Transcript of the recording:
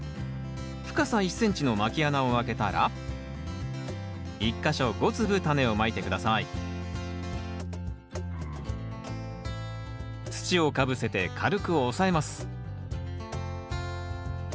深さ１ｃｍのまき穴をあけたら１か所５粒タネをまいて下さい土をかぶせて軽く押さえます